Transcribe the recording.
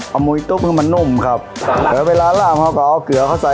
เอามุยตุ๊บให้มันนุ่มครับแล้วเวลาล่างเขาก็เอาเกลือเขาใส่